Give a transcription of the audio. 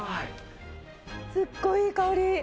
すっごいいい香り。